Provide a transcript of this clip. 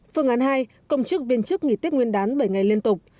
phương án hai công chức viên chức nghỉ tết nguyên đán bảy ngày liên tục